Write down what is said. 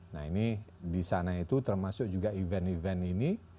nah ini disana itu termasuk juga event event ini